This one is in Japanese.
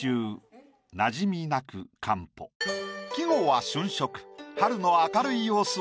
季語は「春色」。